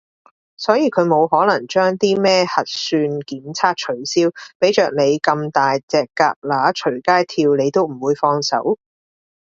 所以佢冇可能將啲咩核算檢測取消，畀着你咁大隻蛤乸隨街跳你都唔會放手